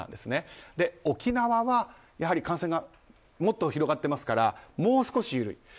沖縄はやはり感染がもっと広がっていますからもう少し緩い。